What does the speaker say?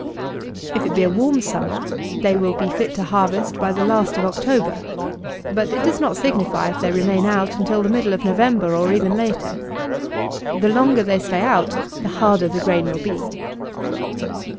If it be a warm summer, they will be fit to harvest by the last of October; but it does not signify if they remain out until the middle of November or even later. The longer they stay out, the harder the grain will be.